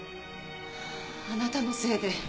あなたのせいで。